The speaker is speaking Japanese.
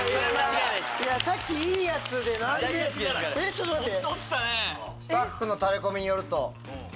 ちょっと待って！